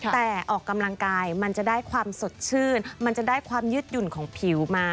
แต่ออกกำลังกายมันจะได้ความสดชื่นมันจะได้ความยืดหยุ่นของผิวมา